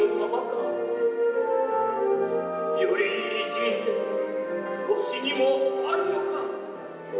よりいい人生わしにもあるのか？